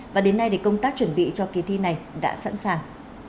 và đến nay thì công tác chuẩn bị cho kỳ thi này đã sẵn sàng